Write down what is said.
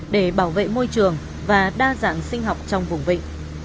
để bảo vệ môi trường và đa dạng sinh học trong vùng vịnh